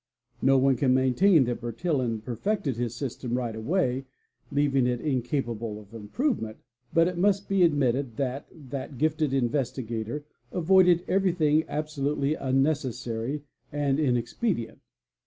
No one can maintain that Bertillon perfected his system right away leaving it incapable of improvement, but it must be admitted that that gifted investigator avoided everything ab _ solutely unnecessary and inexpedient.